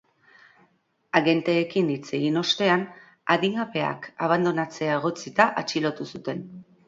Agenteekin hitz egin ostean, adingabeak abandonatzea egotzita atxilotu zuten.